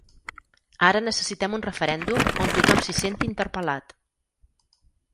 Ara necessitem un referèndum on tothom s’hi senti interpel·lat.